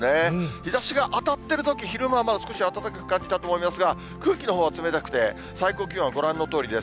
日ざしが当たってるとき、昼間はまだ少し暖かく感じたと思いますが、空気のほうは冷たくて、最高気温はご覧のとおりです。